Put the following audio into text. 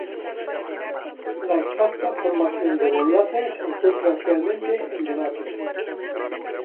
La exacta formación del enlace se encuentra actualmente en debate.